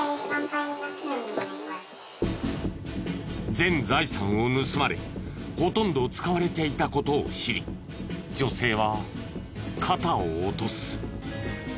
全財産を盗まれほとんど使われていた事を知り女性は肩を落とす。